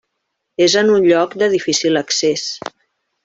És en un lloc de difícil accés.